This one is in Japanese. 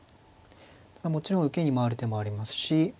もちろん受けに回る手もありますし